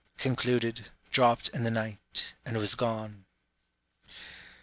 Concluded, dropt in the night, and was gone.